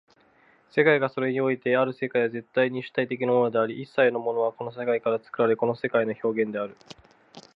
世界がそれにおいてある世界は絶対に主体的なものであり、一切のものはこの世界から作られ、この世界の表現である。